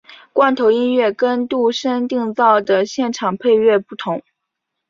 罐头音乐跟度身订造的现场配乐不同。